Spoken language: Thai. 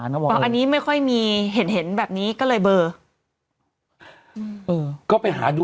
หรืออันนั้นแบบเห็นบ่อย